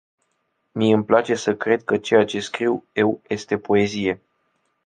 Mie îmi place să cred că ceea ce scriu eu este poezie.